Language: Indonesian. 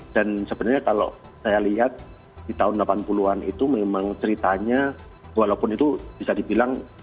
dan sebenarnya kalau saya lihat di tahun delapan puluh an itu memang ceritanya walaupun itu bisa dibilang